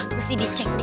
mesti dicek deh kayaknya